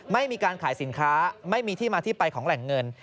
ไม่มีการขายสินค้าไม่มีที่มาที่ไปของแหล่งเงิน